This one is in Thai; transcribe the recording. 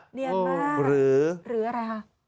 เนียนมากหรืออะไรคะ